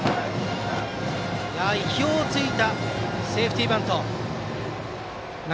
意表を突いたセーフティーバント。